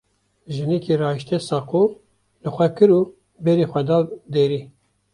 Jinikê rahişte saqo, li xwe kir û berê xwe da derî.